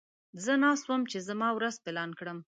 زه ناست وم چې زما ورځ پلان کړم.